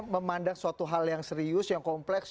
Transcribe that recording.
memandang suatu hal yang serius yang kompleks